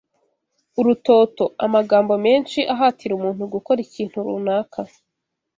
Urutoto: Amagambo menshi ahatira umuntu gukora ikintu runaka